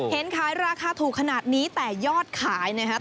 เห็นขายราคาถูกขนาดนี้แต่ยอดขายนะครับ